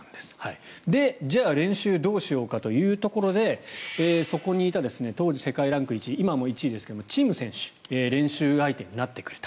じゃあ、練習どうしようかというところでそこにいた当時世界ランク１位今も１位ですがチン・ム選手が練習相手になってくれた。